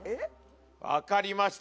分かりました